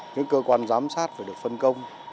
những cơ quan giám sát phải được phân công